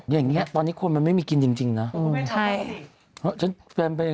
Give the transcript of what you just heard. อย่างเนี้ยตอนนี้คนมันไม่มีกินจริงนะเออใช่คุณแม่ท็อตไปอ่ะ